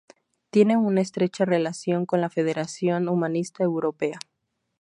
Tiene una estrecha relación con la Federación Humanista Europea.